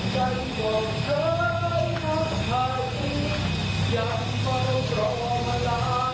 ใครก็เจอหรือหักไทยยังพอดูตรอบหลาย